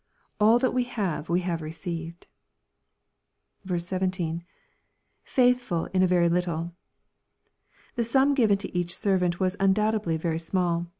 All that we have we have received. 17. — [Faithful in a very liUle.] The sum given to each servant was undoubtedly very small.